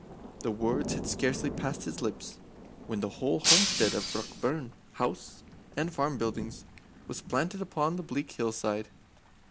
The words had scarcely passed his lips when the whole homestead of Brockburn, house and farm buildings, was planted upon the bleak hill side.